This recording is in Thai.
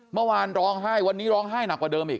เมื่อวานร้องไห้วันนี้ร้องไห้หนักกว่าเดิมอีก